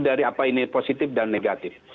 dari apa ini positif dan negatif